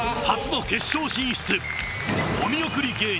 初の決勝進出。